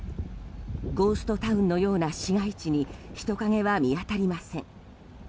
ゴーストタウンのような市街地に人影は見当たりません。